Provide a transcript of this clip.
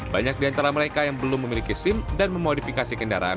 banyak di antara mereka yang belum memiliki sim dan memodifikasi kendaraan